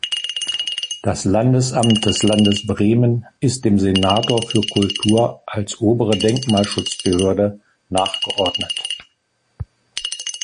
Das Landesamt des Landes Bremen ist dem Senator für Kultur als "Obere Denkmalschutzbehörde" nachgeordnet.